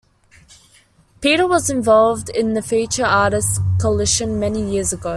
Peter was involved in the Featured Artists Coalition many years ago.